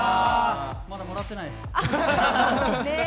まだもらってない。